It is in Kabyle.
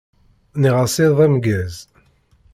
Nniɣ-as iḍ ameggaz.